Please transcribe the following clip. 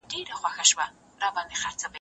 ښوونکي وویل چې زده کړه په خپله ژبه غوره ده.